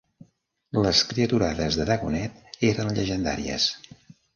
Les criaturades de Dagonet eren llegendàries.